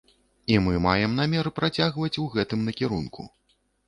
І мы маем намер працягваць у гэтым накірунку.